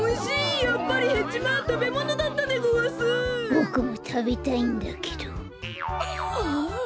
ボクもたべたいんだけどああ。